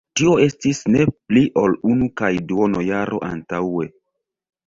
Tio estis ne pli ol unu kaj duono jaro antaŭe.